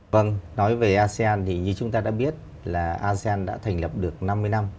vâng nói về asean thì như chúng ta đã biết là asean đã thành lập được năm mươi năm